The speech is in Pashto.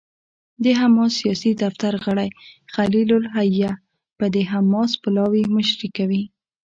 د حماس سیاسي دفتر غړی خلیل الحية به د حماس پلاوي مشري کوي.